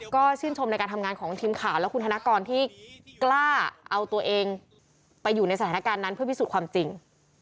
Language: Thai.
ก็ชื่นชมในการทำงานของทีมข่าวและคุณธนกรที่กล้าเอาตัวเองไปอยู่ในสถานการณ์นั้นเพื่อพิสูจน์ความจริง